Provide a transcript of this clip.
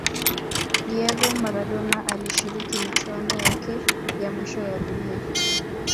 diego maradona alishiriki michuano yake ya mwisho ya dunia